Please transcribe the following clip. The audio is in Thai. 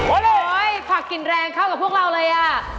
โอ้โหผักกลิ่นแรงเข้ากับพวกเราเลยอ่ะ